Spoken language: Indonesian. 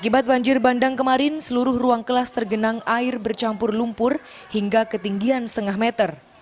akibat banjir bandang kemarin seluruh ruang kelas tergenang air bercampur lumpur hingga ketinggian setengah meter